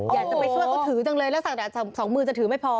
อยากจะไปช่วยก็ถือจังเลยแล้วสักหน่าสองมือจะถือไม่พอ